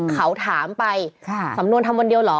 เขาถามไปสำนวนทำวันเดียวเหรอ